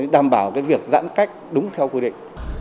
đảm bảo việc giãn cách đúng theo quy định